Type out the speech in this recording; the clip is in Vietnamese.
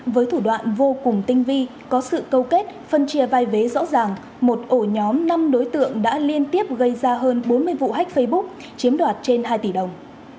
với thủ đoạn vô cùng tinh vi có sự câu kết phân chia vai vé rõ ràng một ổ nhóm năm đối tượng đã liên tiếp gây ra hơn bốn mươi vụ hách facebook chiếm đoạt trên hai tỷ đồng